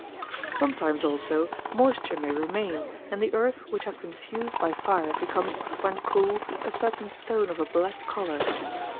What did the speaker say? Sometimes also moisture may remain, and the earth which has been fused by fire becomes, when cool, a certain stone of a black colour.